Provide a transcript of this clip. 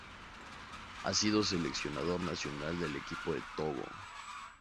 Ha sido seleccionador nacional del equipo de Togo.